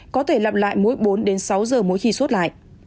có thể lặp lại mỗi bốn đến sáu giờ mỗi khi suốt lại